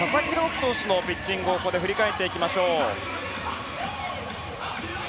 希投手のピッチングを振り返っていきましょう。